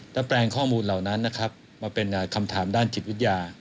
และแปลงข้อมูลเหล่านั้นนะครับมาเป็นคำถามด้านจิตวิทยา